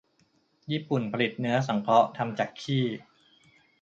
ญี่ปุ่นผลิตเนื้อสังเคราะห์ ทำจากขี้